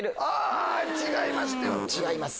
違いますね。